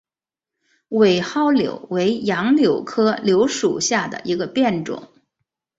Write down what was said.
伪蒿柳为杨柳科柳属下的一个变种。